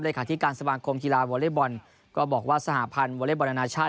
เลยค่ะที่การสมัครโครมกีฬาบอเล็กบอลก็บอกว่าสหพันธุ์บอเล็กบอลอนาชาติ